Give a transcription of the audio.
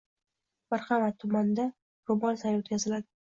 Marhamat tumanida “Ro‘mol sayli” o‘tkaziladi